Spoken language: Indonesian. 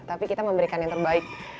tapi kita memberikan yang terbaik